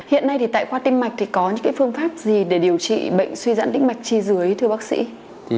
hiện nay thì tại khoa tinh mạch thì có những phương pháp gì để điều trị bệnh suy dãn tinh mạch chi dưới thưa bác sĩ